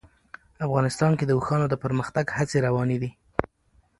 افغانستان کې د اوښانو د پرمختګ هڅې روانې دي.